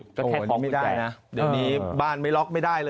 ก็แค่ของไม่ได้นะเดี๋ยวนี้บ้านไม่ล็อกไม่ได้เลย